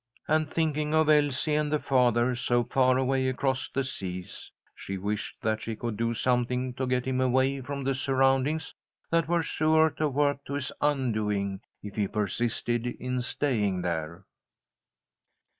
And, thinking of Elsie and the father so far away across the seas, she wished that she could do something to get him away from the surroundings that were sure to work to his undoing if he persisted in staying there.